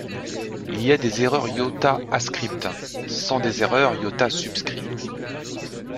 Il a des erreurs iota ascript, sans des erreurs iota subscrit.